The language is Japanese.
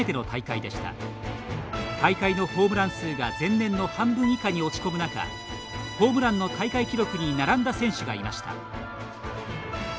大会のホームラン数が前年の半分以下に落ち込む中ホームランの大会記録に並んだ選手がいました。